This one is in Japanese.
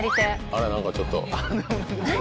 あら何かちょっと。何？